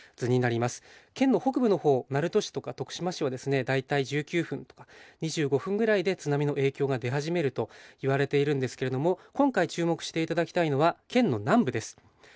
県の北部の方鳴門市とか徳島市はですね大体１９分とか２５分ぐらいで津波の影響が出始めるといわれているんですけれども今回注目していただきたいのは県の南部です。